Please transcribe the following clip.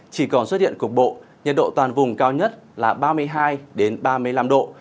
chỉ còn xuất hiện cục bộ nhiệt độ toàn vùng cao nhất là ba mươi hai ba mươi năm độ